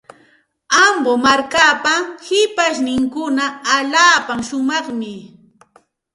Ambo markapa shipashninkuna allaapa shumaqmi.